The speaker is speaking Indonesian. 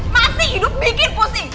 masih hidup bikin pusing